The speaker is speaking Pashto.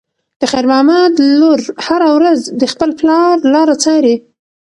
د خیر محمد لور هره ورځ د خپل پلار لاره څاري.